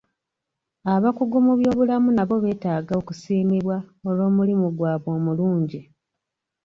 Abakugu mu byobulamu nabo beetaaga okusiimibwa olw'omulimu gwabwe omulungi.